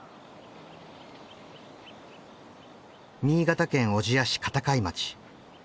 新潟県小千谷市片貝町。